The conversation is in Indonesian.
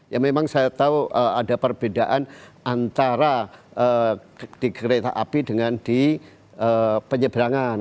ya memang saya tahu ada perbedaan antara di kereta api dengan di penyeberangan